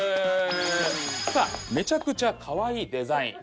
さあめちゃくちゃかわいいデザイン。